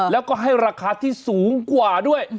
แล้วก็ให้ราคาที่สูงกว่าด้วย